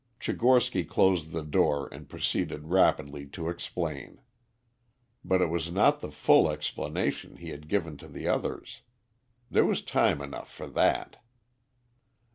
Tchigorsky closed the door and proceeded rapidly to explain. But it was not the full explanation he had given to the others. There was time enough for that.